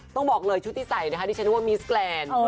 ต้องบอกเลยชุดที่ใส่นะคะดิฉันนึกว่ามิสแกรนด์